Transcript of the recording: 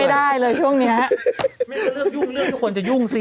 ไม่ได้เริ่มยุ่งเรื่องที่คนจะยุ่งสิ